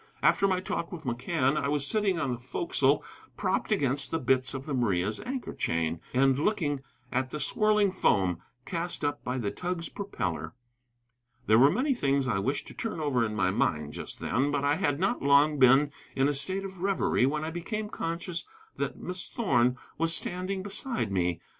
After my talk with McCann I was sitting on the forecastle propped against the bitts of the Maria's anchor chain, and looking at the swirling foam cast up by the tug's propeller. There were many things I wished to turn over in my mind just then, but I had not long been in a state of reverie when I became conscious that Miss Thorn was standing beside me.